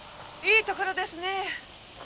いいところですねえ。